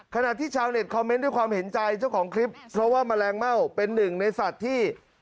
ขณะที่ชาวเน็ตคอมเมนต์ด้วยความเห็นใจเจ้าของคลิปเพราะว่าแมลงเม่าเป็นหนึ่งในสัตว์ที่